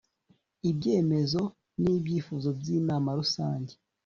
ibyemezo n ibyifuzo by Inama Rusange